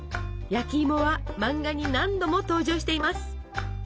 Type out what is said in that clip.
焼きいもは漫画に何度も登場しています。